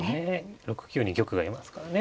６九に玉がいますからね。